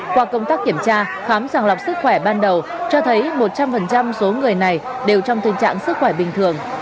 qua công tác kiểm tra khám sàng lọc sức khỏe ban đầu cho thấy một trăm linh số người này đều trong tình trạng sức khỏe bình thường